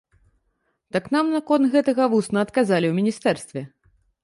Так нам наконт гэтага вусна адказалі ў міністэрстве.